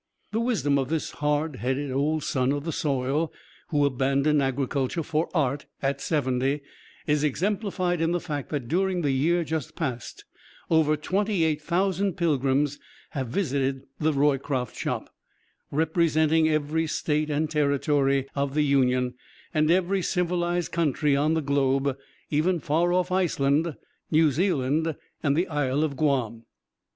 The wisdom of this hard headed old son of the soil who abandoned agriculture for art at seventy is exemplified in the fact that during the year just past, over twenty eight thousand pilgrims have visited the Roycroft Shop representing every State and Territory of the Union and every civilized country on the globe, even far off Iceland, New Zealand and the Isle of Guam.